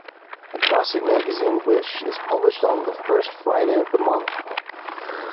A glossy magazine, "Wish", is published on the first Friday of the month.